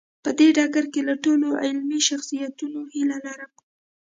په دې ډګر کې له ټولو علمي شخصیتونو هیله لرم.